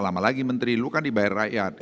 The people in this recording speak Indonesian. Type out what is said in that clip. lama lagi menteri lu kan dibayar rakyat